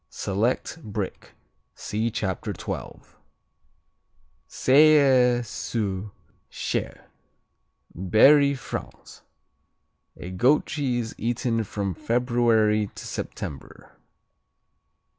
Select Brick see Chapter 12. Selles sur Cher Berry, France A goat cheese, eaten from February to September.